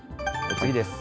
次です。